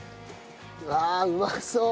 ああうまそう！